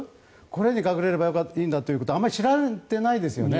これに隠れればいいんだということはあまり知られていないですよね。